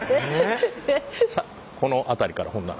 さあこの辺りからほんなら。